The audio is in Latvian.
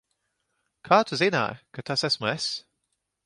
Kā tu zināji, ka tas esmu es?